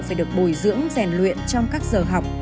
phải được bồi dưỡng rèn luyện trong các giờ học